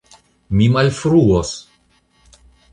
mi malfruos!